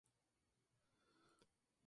Una renombrada arqueóloga, la Dra.